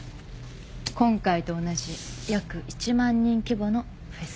今回と同じ約１万人規模のフェス。